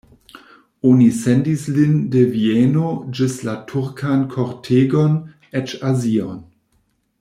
Oni sendis lin de Vieno ĝis la turkan kortegon, eĉ Azion.